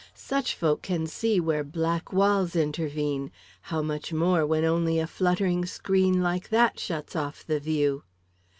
Such folk can see where black walls intervene; how much more when only a fluttering screen like that shuts off the view."